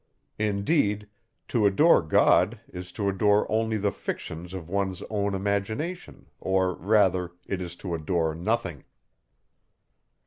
Indeed, to adore God, is to adore only the fictions of one's own imagination, or rather, it is to adore nothing.